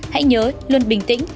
hãy nhớ luôn bình tĩnh